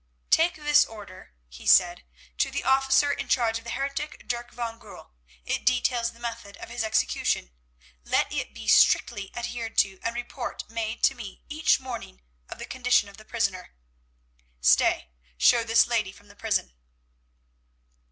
"Take this order," he said, "to the officer in charge of the heretic, Dirk van Goorl; it details the method of his execution. Let it be strictly adhered to, and report made to me each morning of the condition of the prisoner. Stay, show this lady from the prison."